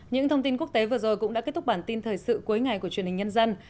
những thông tin quốc tế vừa rồi cũng đã kết thúc bản tin thời sự cuối ngày của truyền hình nhân dân